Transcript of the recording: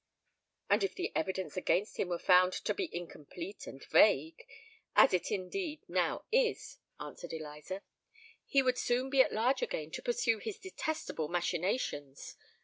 "And if the evidence against him were found to be incomplete and vague, as it indeed now is," answered Eliza, "he would soon be at large again to pursue his detestable machinations.